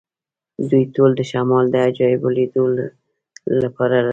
دوی ټول د شمال د عجایبو لیدلو لپاره راځي